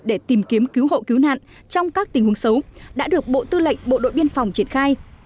để tìm kiếm cứu hộ cứu nạn trong các tình huống xấu đã được bộ tư lệnh bộ đội biên phòng triển khai